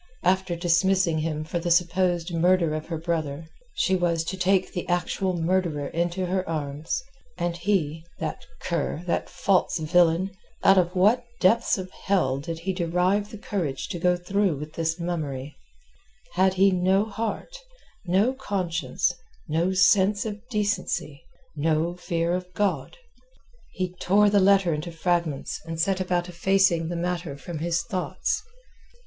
After dismissing him for the supposed murder of her brother, she was to take the actual murderer to her arms. And he, that cur, that false villain!—out of what depths of hell did he derive the courage to go through with this mummery?—had he no heart, no conscience, no sense of decency, no fear of God? He tore the letter into fragments and set about effacing the matter from his thoughts.